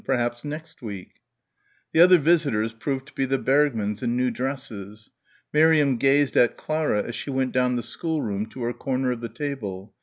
Perhaps next week.... The other visitors proved to be the Bergmanns in new dresses. Miriam gazed at Clara as she went down the schoolroom to her corner of the table.